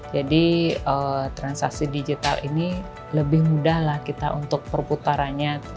jadi transaksi digital ini lebih mudah lah kita untuk perputarannya